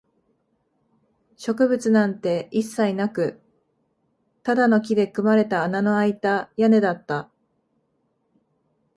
植物なんて一切なく、ただの木で組まれた穴のあいた屋根だった